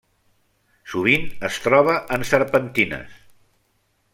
Sovint es troba en serpentines.